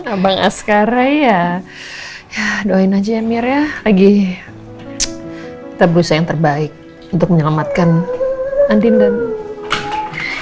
abang askarai ya doain aja ya mir ya lagi kita berusaha yang terbaik untuk menyelamatkan andin dan bayi